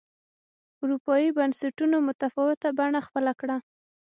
اروپايي بنسټونو متفاوته بڼه خپله کړه.